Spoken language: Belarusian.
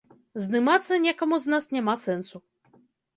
Здымацца некаму з нас няма сэнсу.